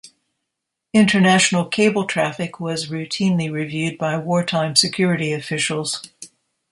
International cable traffic was routinely reviewed by war-time security officials.